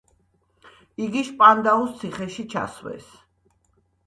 იგი შპანდაუს ციხეში ჩასვეს.